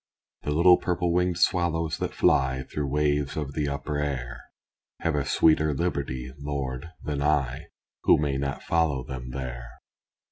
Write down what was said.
The little purple winged swallows that fly Through waves of the upper air, Have a sweeter liberty, Lord, than I, Who may not follow them there.